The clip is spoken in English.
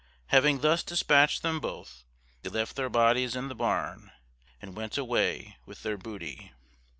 Having thus dispatched them both, they left their bodies in the barn, and went away with their booty.